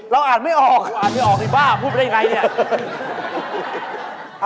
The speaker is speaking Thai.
เราอ่านไม่ออกอ่านไม่ออกไอ้บ้าพูดไปได้อย่างไร